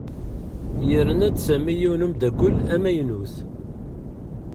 Yerna-d Sami yiwen n umeddakel amaynut.